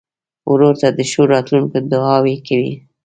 ورور ته د ښو راتلونکو دعاوې کوې.